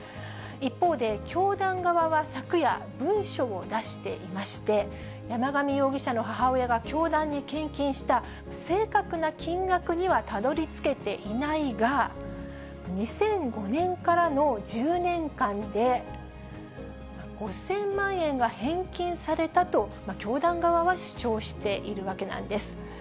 一方で、教団側は昨夜、文書を出していまして、山上容疑者の母親が教団に献金した正確な金額にはたどりつけていないが、２００５年からの１０年間で、５０００万円が返金されたと、教団側は主張しているわけなんです。